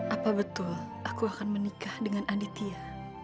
apa betul aku akan menikah dengan aditya